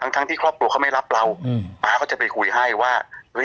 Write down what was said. ทั้งที่ครอบครัวเขาไม่รับเราป๊าเขาจะไปคุยให้ว่า